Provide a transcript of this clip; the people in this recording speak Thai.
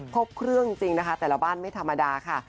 ครบเครื่องจริงนะคะแต่ละบ้านไม่ธรรมดาค่ะ